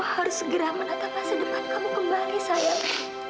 harus segera menatap masa depan kamu kembali sayang